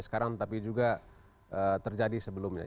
sekarang tapi juga terjadi sebelumnya